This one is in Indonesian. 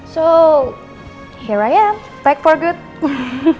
jadi disini aku balik untuk kebaikan